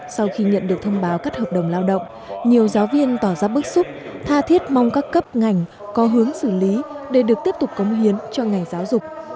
sau khi nhận được thông báo cắt hợp đồng lao động nhiều giáo viên tỏ ra bức xúc tha thiết mong các cấp ngành có hướng xử lý để được tiếp tục cống hiến cho ngành giáo dục